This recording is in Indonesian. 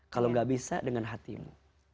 kalau gak bisa dengan hatimu